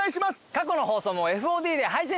過去の放送もＦＯＤで配信してます。